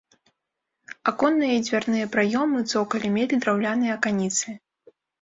Аконныя і дзвярныя праёмы цокаля мелі драўляныя аканіцы.